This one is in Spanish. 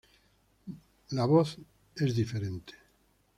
The Voice es diferente.